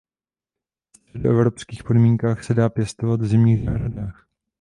Ve středoevropských podmínkách se dá pěstovat v zimních zahradách.